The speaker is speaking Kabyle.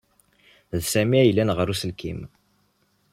D Sami ay yellan ɣer uselkim.